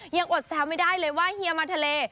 อดแซวไม่ได้เลยว่าเฮียมาทะเล